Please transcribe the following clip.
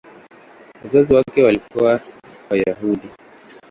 Wazazi wake walikuwa Wayahudi.